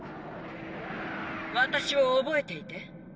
私を覚えていて？